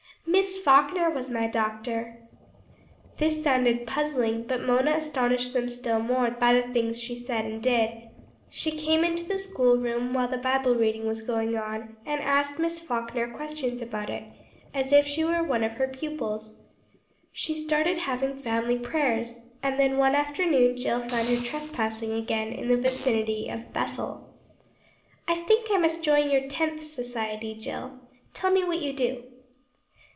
"Miss Falkner was my doctor." This sounded puzzling, but Mona astonished them still more by things she said and did. She came into the school room while the Bible reading was going on and asked Miss Falkner questions about it, as if she were one of her pupils. She started having family prayers; and then one afternoon Jill found her trespassing again in the vicinity of "Bethel." "I think I must join your Tenth Society, Jill. Tell me what you do."